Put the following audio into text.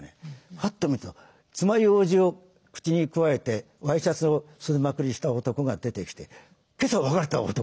ふっと見るとつまようじを口にくわえてワイシャツを袖まくりした男が出てきて今朝別れた男。